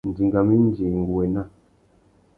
Nʼdingamú indi ngu wô ena.